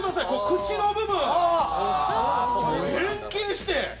口の部分変形して。